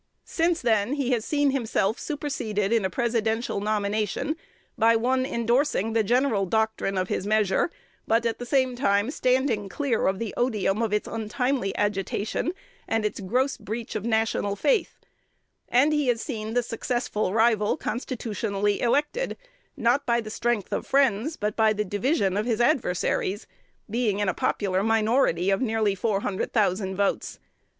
Since then he has seen himself superseded in a Presidential nomination by one indorsing the general doctrine of his measure, but at the same time standing clear of the odium of its untimely agitation and its gross' breach of national faith; and he has seen the successful rival constitutionally elected, not by the strength of friends, but by the division of his adversaries, being in a popular minority of nearly four hundred thousand votes.